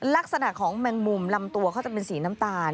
ลักษณะของแมงมุมลำตัวเขาจะเป็นสีน้ำตาล